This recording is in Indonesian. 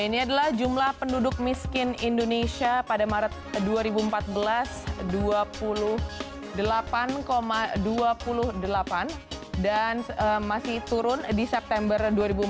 ini adalah jumlah penduduk miskin indonesia pada maret dua ribu empat belas dua puluh delapan dua puluh delapan dan masih turun di september dua ribu empat belas